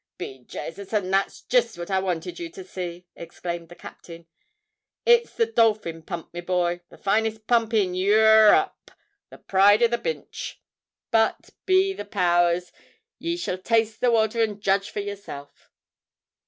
"Be Jasus! and that's jist what I wanted ye to see," exclaimed the captain. "It's the Dolphin pump, me boy—the finest pump in Eur r rope—the pride of the Binch——But, be the power rs! ye shall taste the wather and judge for yourself!"